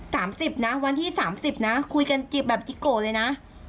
สามสิบนะวันที่สามสิบนะคุยกันจิบแบบจิโกะเลยนะ